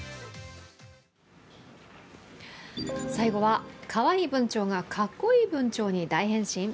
最後は、かわいい文鳥がかっこいい文鳥に大変身。